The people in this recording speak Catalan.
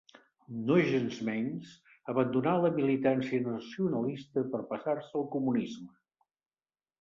Nogensmenys, abandonà la militància nacionalista per a passar-se al comunisme.